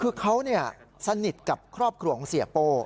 คือเขาสนิทกับครอบครัวของเสียโป้